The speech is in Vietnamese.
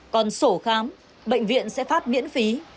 còn sổ khám bệnh viện sẽ phát miễn phí